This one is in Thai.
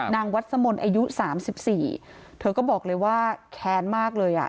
นางวัดสมนต์อายุ๓๔เธอก็บอกเลยว่าแค้นมากเลยอ่ะ